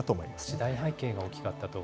時代背景が大きかったと。